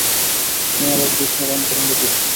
তোমার আর কৃষ্ণের অন্তরঙ্গ ভিডিও।